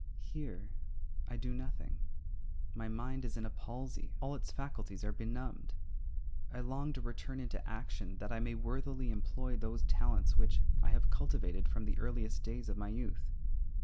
Here I do nothing. My mind is in a palsy; all its faculties are benumbed. I long to return into action, that I may worthily employ those talents which I have cultivated from the earliest days of my youth.